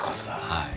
はい。